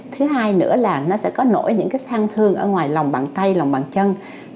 thứ hai nữa là nó sẽ có nổi những cái sang thương ở ngoài lòng bàn tay lòng bàn chân